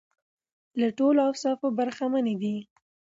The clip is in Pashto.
له ټولو اوصافو برخمنې دي.